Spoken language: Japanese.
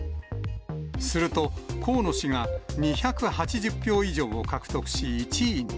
すると、河野氏が２８０票以上を獲得し１位に。